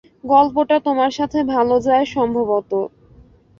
গল্পটা তোমার সাথে ভালো যায় সম্ভবত।